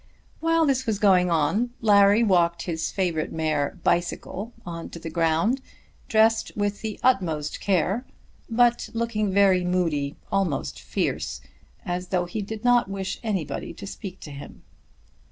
While this was going on, Larry walked his favourite mare "Bicycle" on to the ground, dressed with the utmost care, but looking very moody, almost fierce, as though he did not wish anybody to speak to him.